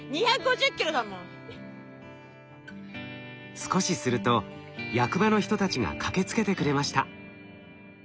少しすると役場の人たちが駆けつけてくれました。